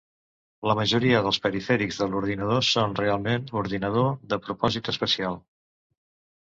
La majoria dels perifèrics de l'ordinador són realment ordinador de propòsit especial.